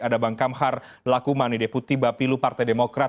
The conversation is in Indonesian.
ada bang kamhar lakumani deputi bapilu partai demokrat